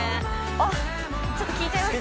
おっちょっと聞いちゃいます？